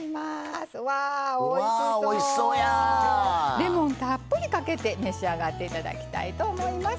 レモンたっぷりかけて召し上がって頂きたいと思います。